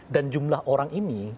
dan jumlah orang ini